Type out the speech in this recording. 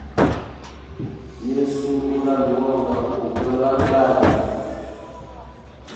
Yesu gogaluwa onga ubugula bandu bage.